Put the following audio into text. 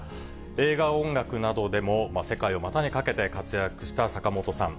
映画音楽などでも世界を股にかけて活躍した坂本さん。